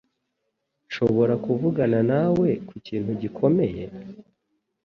Nshobora kuvugana nawe kukintu gikomeye?